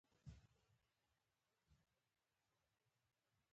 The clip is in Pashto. هغه کسان چې خوبونه پر عمل بدلوي هېڅکله نه درېږي